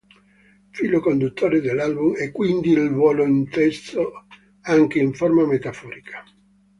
Filo conduttore dell'album è quindi il volo, inteso anche in forma metaforica.